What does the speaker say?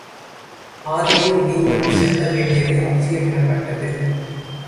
ஆதலின் வீமன் செல்ல வேண்டியது அவசியம் எனப்பட்டது.